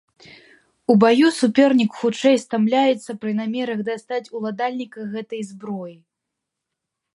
У баю супернік хутчэй стамляецца пры намерах дастаць уладальніка гэтай зброі.